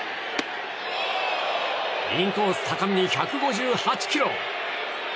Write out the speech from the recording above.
インコース高めに１５８キロ。